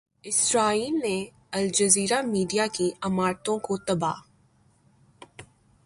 اسرائیل نے Al Jazeera media کی عمارتوں کو تباہ